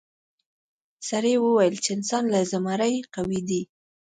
سړي وویل چې انسان له زمري قوي دی.